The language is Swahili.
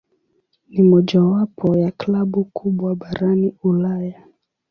Ni mojawapo ya klabu kubwa barani Ulaya.